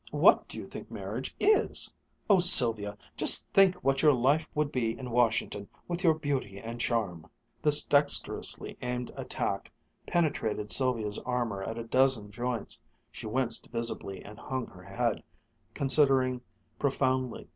What do you think marriage is? Oh, Sylvia, just think what your life would be in Washington with your beauty and charm!" This dexterously aimed attack penetrated Sylvia's armor at a dozen joints. She winced visibly, and hung her head, considering profoundly.